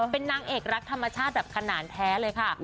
เป็นนางเอกรักธรรมชาติแบบขนาดแท้เลยค่ะ